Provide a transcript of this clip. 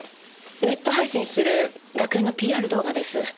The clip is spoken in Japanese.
ネット配信する学園のＰＲ動画です。